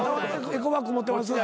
エコバッグ持ってます。